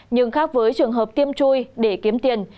nhưng khác với trường hợp tiêm chui để kiếm tiền